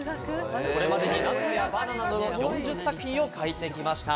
これまでにナスやバナナなどの４０作品を描いてきました。